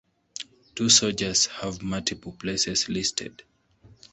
Two soldiers have multiple places listed.